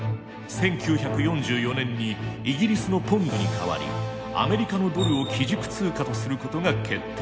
１９４４年にイギリスのポンドに代わりアメリカのドルを基軸通貨とすることが決定。